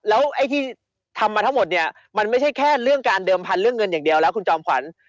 แล้วไอ้ที่ทำมาทั้งหมดเนี่ยมันไม่ใช่แค่เรื่องการเดิมพันธุ์เรื่องเงินอย่างเดียวแล้วคุณจอมขวัญ